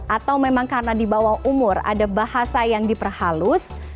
atau memang karena di bawah umur ada bahasa yang diperhalus